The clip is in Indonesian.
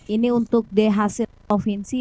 ini untuk dhc provinsi